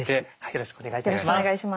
よろしくお願いします。